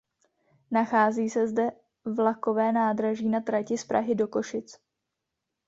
Nachází se zde vlakové nádraží na trati z Prahy do Košic.